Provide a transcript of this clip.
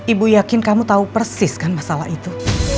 ibu yakin kamu tahu persis kan masalah itu